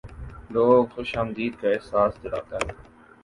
لوگوں کو خوش آمدیدگی کا احساس دلاتا ہوں